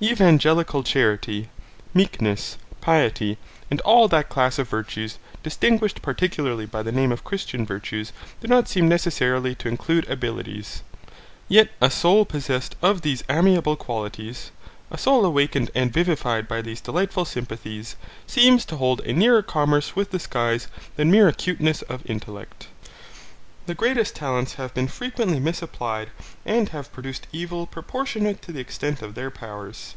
Evangelical charity, meekness, piety, and all that class of virtues distinguished particularly by the name of Christian virtues do not seem necessarily to include abilities; yet a soul possessed of these amiable qualities, a soul awakened and vivified by these delightful sympathies, seems to hold a nearer commerce with the skies than mere acuteness of intellect. The greatest talents have been frequently misapplied and have produced evil proportionate to the extent of their powers.